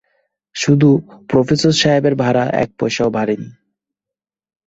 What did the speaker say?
শুধু প্রফেসর সাহেবের ভাড়া এক পয়সাও বাড়ে নি।